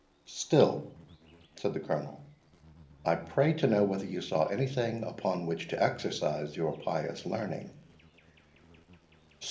"Still," said the Colonel, "I pray to know whether you saw anything upon which to exercise your pious learning?"